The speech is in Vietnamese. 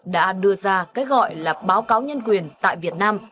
đã đưa ra cái gọi là báo cáo nhân quyền tại việt nam